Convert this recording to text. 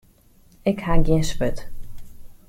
Ik ha gjin swurd.